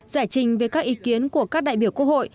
giải trình về các ý kiến của các đại biểu quốc hội